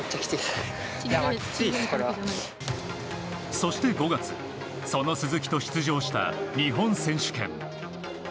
そして５月その鈴木と出場した日本選手権。